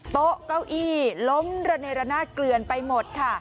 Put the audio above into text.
โต๊ะเก้าอี้ล้มระเนรนาศเกลือนไปหมดค่ะ